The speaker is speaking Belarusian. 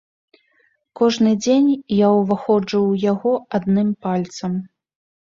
Кожны дзень я ўваходжу ў яго адным пальцам.